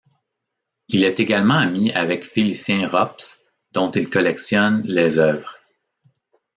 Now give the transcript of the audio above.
Il est également ami avec Félicien Rops, dont il collectionne les œuvres.